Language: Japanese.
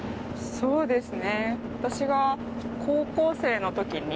そうなんですね。